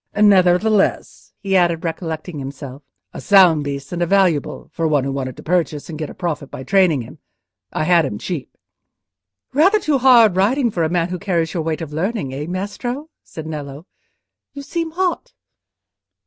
"Nevertheless," he added, recollecting himself, "a sound beast and a valuable, for one who wanted to purchase, and get a profit by training him. I had him cheap." "Rather too hard riding for a man who carries your weight of learning: eh, Maestro?" said Nello. "You seem hot."